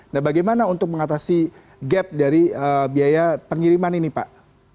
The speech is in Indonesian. nah bagaimana untuk mengatasi gap dari biaya pengiriman ini pak